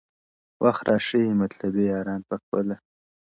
• وخت را ښیي مطلبي یاران پخپله,